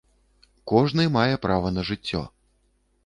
Кожны мае права на жыццё.